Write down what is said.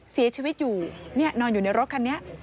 เสียชีวิตอยู่นี่นอนอยู่ในรถคันนี้